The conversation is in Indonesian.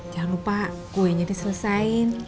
jangan lupa kuenya diselesain